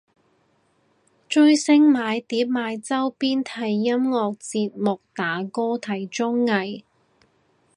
追星買碟買周邊睇音樂節目打歌睇綜藝